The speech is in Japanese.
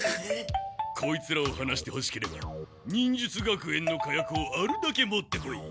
こいつらを放してほしければ忍術学園の火薬をあるだけ持ってこい！